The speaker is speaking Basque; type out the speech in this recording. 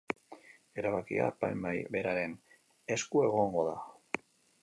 Erabakia epaimahai beraren esku egongo da.